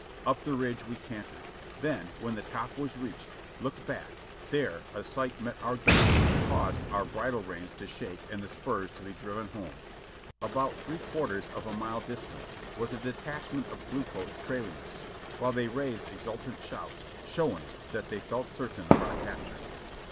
Up the ridge we cantered, then, when the top was reached, looked back ; there a sight met our gaze which caused our bridle reins to shake and the spurs to be driven home. About three quarters of a mile distant was a detachment of blue coats trailing us, while they raised exultant shouts, showing that they felt certain of our capture.